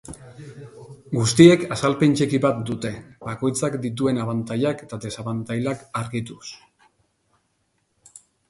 Guztiek azalpen txiki bat dute, bakoitzak dituen abantailak eta desabantailak argituz.